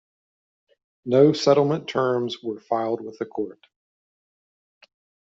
No settlement terms were filed with the court.